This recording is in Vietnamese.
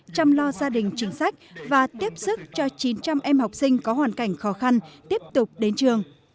chăm lo gia đình chính sách và tiếp sức cho chín trăm linh em học sinh có hoàn cảnh khó khăn tiếp tục đến trường